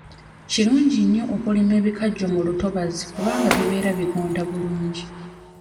Kirungi nnyo okulima ebikajjo mu lutobazi kubanga bibeera bigonda bulungi.